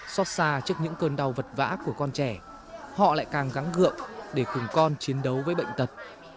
xót xa trước những cơn đau vật vã của con trẻ họ lại càng gắn gợi để cùng con chiến đấu với bệnh tật